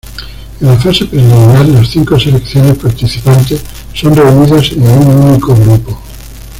En la fase preliminar las cinco selecciones participantes son reunidas en un único grupo.